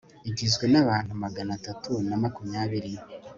igizwe n'abantu magana atatu na makumyabiri